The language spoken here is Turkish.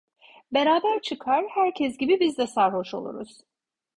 Beraber çıkar, herkes gibi biz de sarhoş oluruz.